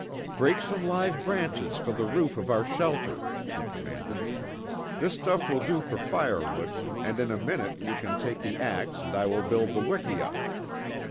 "Break some live branches for the roof of our shelter!" she commanded. "This stuff will do for firewood, and in a minute you can take the ax and I will build the wikiup."